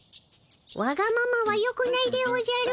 わがままはよくないでおじゃる。